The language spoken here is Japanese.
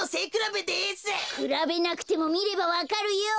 くらべなくてもみればわかるよ！